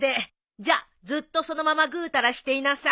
じゃあずっとそのままぐうたらしていなさい。